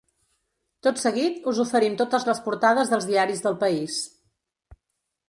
Tot seguit, us oferim totes les portades dels diaris del país.